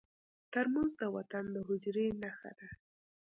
ترموز د وطن د حجرې نښه ده.